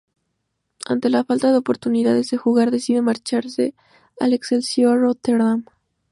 Ante la falta de oportunidades de jugar decide marcharse al Excelsior Rotterdam.